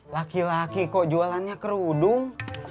laki laki kok jualannya kerudung